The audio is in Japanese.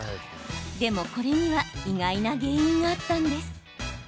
でも、これには意外な原因があったんです。